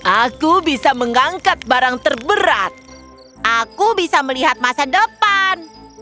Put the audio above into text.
aku bisa mengangkat barang terberat aku bisa melihat masa depan